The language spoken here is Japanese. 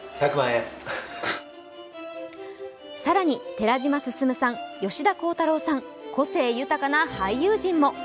更に、寺島進さん、吉田鋼太郎さん、個性豊かな俳優陣も。